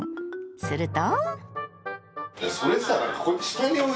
すると。